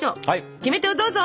キメテをどうぞ！